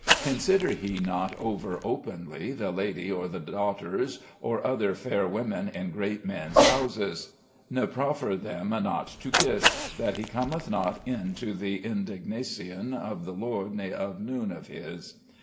'... Consider he not over openly the lady or the daughters, or other fair women in great men's houses, 'ne profre them not to kisse, ... that he come not in to the indignacion of the lord ne of noon of his.